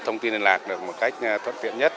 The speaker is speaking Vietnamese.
thông tin liên lạc được một cách thuận tiện nhất